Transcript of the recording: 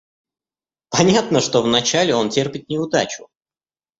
Понятно, что вначале он терпит неудачу.